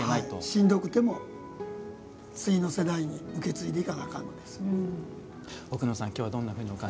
しんどくても次の世代に受け継いでいかないかんのです。